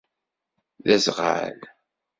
D azɣal.